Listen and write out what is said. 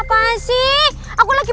kami masih nggak percaya